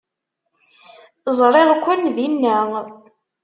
Ẓriɣ-ken dinna.